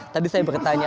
tadi saya bertanya